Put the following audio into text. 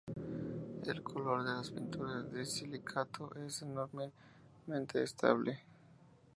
El color de las pinturas de silicato es enormemente estable.